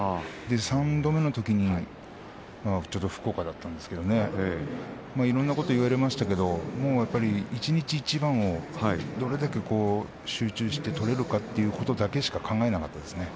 ３度目のときにちょっと福岡だったんですけどいろいろなことを言われましたが一日一番をどれだけ集中して取れるかということだけしか考えなかったですね。